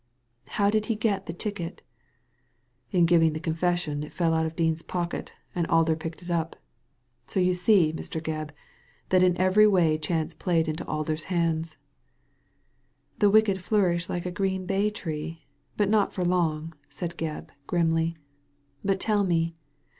*' How did he get the ticket ?•* ''In giving the confession it fell out of Dean's pocket, and Alder picked it up. So you see, Mr. Gebb, that in every way chance played into Alder's hands." "•The wicked flourish like a green bay tree' ; but not for long," said Gebb, grimly. "But tell me.